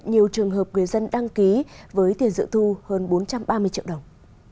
nhiều trường hợp người dân đăng ký với tiền dự thu hơn bốn trăm ba mươi triệu đồng